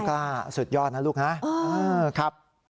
น้องกล้าสุดยอดนะลูกนะ